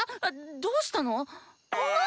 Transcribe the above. どうしたの⁉まっ！